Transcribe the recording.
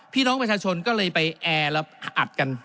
พี่น้องประชาชนก็เลยไปแอร์แล้วอัดกัน